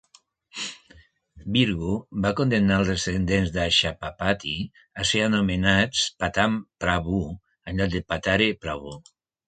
Bhrigu va condemnar als descendents d'Ashapapati a ser anomenats Pattan Prabhu en lloc de Pathare Prabhu.